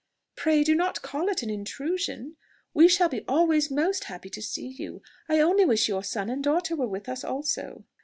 "Pray do not call it an intrusion. We shall be always most happy to see you. I only wish your son and daughter were with us also."